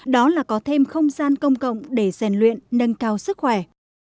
đó là có thêm không gian công cộng để rèn luyện nâng cao sức khỏe